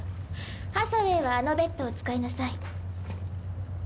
ハサウェイはあのベッドを使いなさい。